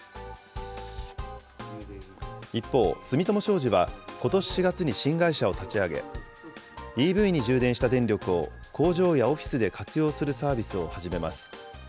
一方、住友商事はことし４月に新会社を立ち上げ、ＥＶに充電した電力を工場やオフィスで活用するサービスを始めます。